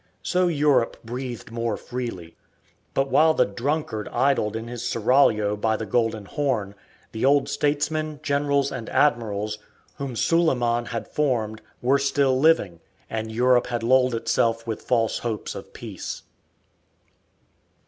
So Europe breathed more freely. But while the "Drunkard" idled in his seraglio by the Golden Horn, the old statesmen, generals, and admirals, whom Suleiman had formed, were still living, and Europe had lulled itself with false hopes of peace.